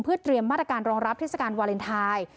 เพื่อเตรียมมาตรการรองรับเทศกาลวาเลนไทย